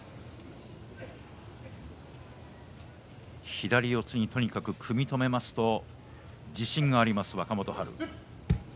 左四つにとにかく組み止めますと自信があります、若元春です。